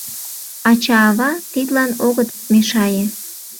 Ача-ава тидлан огыт мешае.